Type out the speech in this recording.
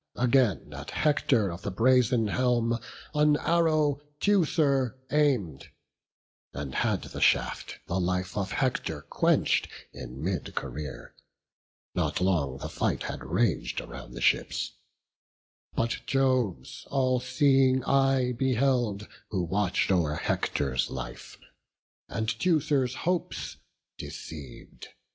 Again at Hector of the brazen helm An arrow Teucer aim'd; and had the shaft The life of Hector quench'd in mid career, Not long the fight had rag'd around the ships: But Jove's all seeing eye beheld, who watch'd O'er Hector's life, and Teucer's hopes deceiv'd.